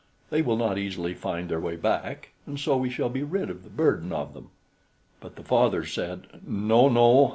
They will not easily find their way back, and so we shall be rid of the burden of them." But the father said: "No, no!